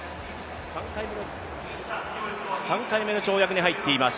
３回目の跳躍に入っています